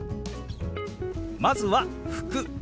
まずは「服」。